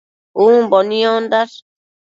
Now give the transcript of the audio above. Umbo niondash